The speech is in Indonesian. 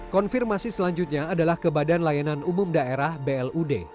konfirmasi selanjutnya adalah ke badan layanan umum daerah blud